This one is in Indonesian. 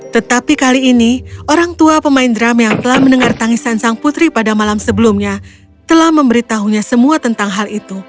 tetapi kali ini orang tua pemain drum yang telah mendengar tangisan sang putri pada malam sebelumnya telah memberitahunya semua tentang hal itu